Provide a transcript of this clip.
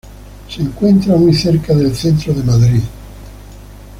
Se encuentra muy cerca del centro de Madrid.